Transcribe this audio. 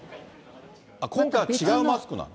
今回は違うマスクなの？